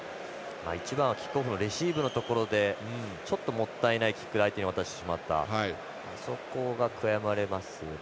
一番はキックオフのレシーブのところでちょっと、もったいないキックで渡してしまったのが悔やまれます。